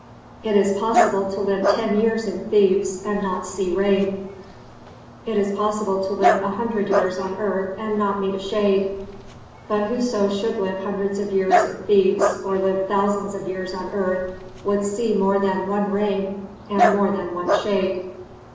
"It is possible to live ten years in Thebes and not see rain: it is possible to live a hundred years on earth and not meet a shade. But whoso should live hundreds of years in Thebes, or live thousands of years on earth would see more than one rain, and more than one shade."